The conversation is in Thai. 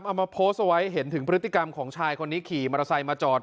เอามาโพสต์เอาไว้เห็นถึงพฤติกรรมของชายคนนี้ขี่มอเตอร์ไซค์มาจอด